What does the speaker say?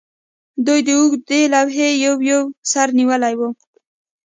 دوی د اوږدې لوحې یو یو سر نیولی و